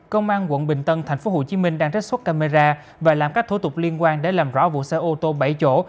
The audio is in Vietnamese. công an quận bình tân tp hcm đang trích xuất camera và làm các thủ tục liên quan để làm rõ vụ xe ô tô bảy chỗ